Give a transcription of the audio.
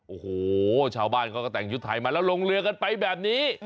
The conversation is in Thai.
โอ้โหชาวบ้านเขาก็แต่งชุดไทยมาแล้วลงเรือกันไปแบบนี้